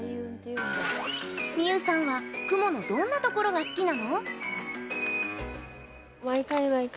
みゆさんは雲のどんなところが好きなの？